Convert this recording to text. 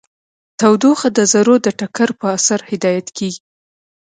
تودوخه د ذرو د ټکر په اثر هدایت کیږي.